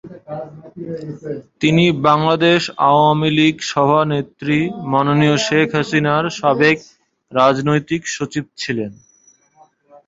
তিনি বাংলাদেশ আওয়ামী লীগ সভানেত্রী মাননীয় শেখ হাসিনার সাবেক রাজনৈতিক সচিব ছিলেন।